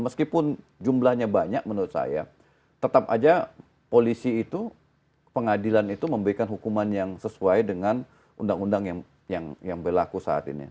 meskipun jumlahnya banyak menurut saya tetap aja polisi itu pengadilan itu memberikan hukuman yang sesuai dengan undang undang yang berlaku saat ini